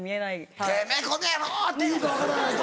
「てめぇこの野郎！」って言うか分からないと。